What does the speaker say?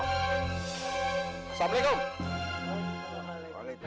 karena gua sudah memperingatkan lu semua